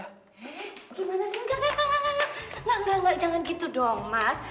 eh gimana sih enggak enggak enggak enggak jangan gitu dong mas